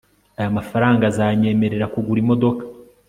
aya mafranga azanyemerera kugura imodoka